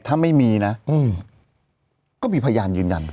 ถ้าไม่มีนะก็มีพยานยืนยัน